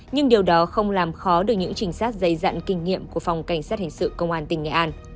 nhưng điều đó không làm khó được những trình sát dày dặn kinh nghiệm của phòng cảnh sát hình sự công an tỉnh nghệ an